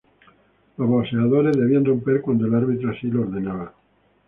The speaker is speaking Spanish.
Los boxeadores debían romper cuando el árbitro así lo ordenaba.